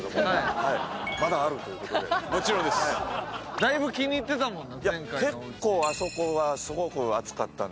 だいぶ気に入ってたもんな。